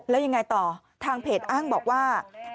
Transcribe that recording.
แล้วยังไงต่อทางเพจอ้างบอกว่า